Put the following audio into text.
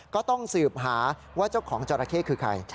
ก็ต้องสืบหาว่าเจ้าของจราเข้คือใคร